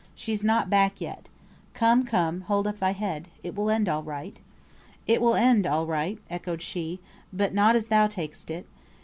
She's not back yet. Come, come, hold up thy head. It will all end right." "It will all end right," echoed she; "but not as thou tak'st it.